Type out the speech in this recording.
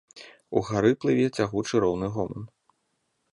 Угары плыве цягучы роўны гоман.